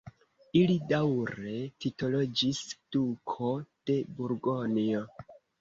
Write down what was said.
Ili daŭre titoliĝis duko de Burgonjo.